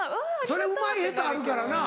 それうまい下手あるからな。